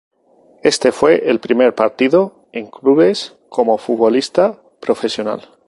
Este fue el primer partido en clubes como futbolista profesional.